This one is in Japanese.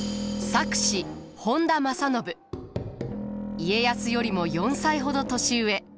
家康よりも４歳ほど年上。